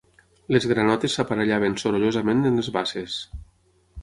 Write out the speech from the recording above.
Les granotes s'aparellaven sorollosament en les basses